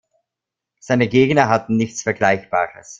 Seine Gegner hatten nichts Vergleichbares.